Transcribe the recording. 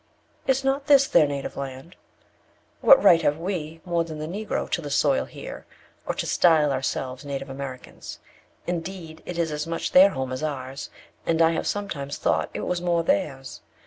"Is not this their native land? What right have we, more than the Negro, to the soil here, or to style ourselves native Americans? Indeed it is as much their home as ours, and I have sometimes thought it was more theirs.